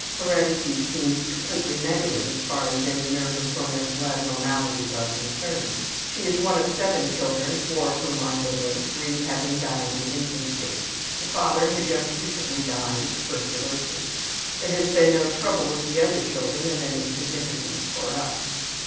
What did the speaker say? Heredity seems completely negative as far as any nervous or mental abnormalities are concerned. She is one of seven children, four of whom are living, three having died in infancy. The father had just recently died of tuberculosis. There has been no trouble with the other children of any significance for us.